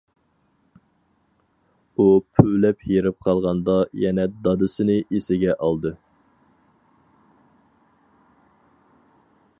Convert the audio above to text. ئۇ پۈۋلەپ ھېرىپ قالغاندا، يەنە دادىسىنى ئېسىگە ئالدى.